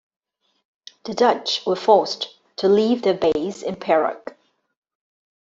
The Dutch were forced to leave their base in Perak.